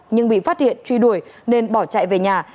nhưng bị phát hiện truy đuổi nên bỏ chạy về nhà